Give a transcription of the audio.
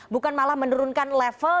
bukan malah menurunkan level